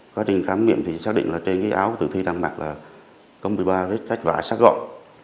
quá trình khám nghiệm thì xác định là trên áo tử thi đăng mập là công một mươi ba vết cắt vàng sắc gọn